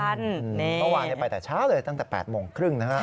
เมื่อวานไปแต่เช้าเลยตั้งแต่๘โมงครึ่งนะฮะ